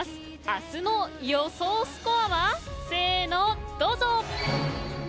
明日の予想スコアはせーの、どうぞ。